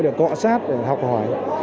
để tọa sát để học hỏi